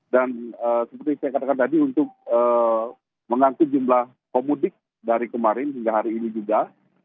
dan seperti saya katakan tadi untuk mengangkut jumlah komudik dari kemarin hingga hari ini juga